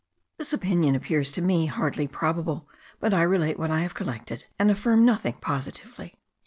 This opinion appears to me hardly probable; but I relate what I have collected, and affirm nothing positively.